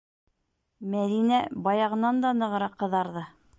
Мәҙинә баяғынан да нығыраҡ ҡыҙарҙы.